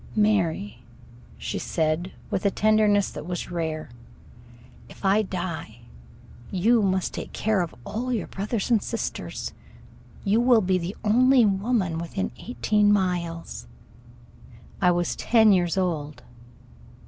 "Mary," she said, with a tenderness that was rare, "if I die, you must take care of all your brothers and sisters. You will be the only woman within eighteen miles." I was ten years old.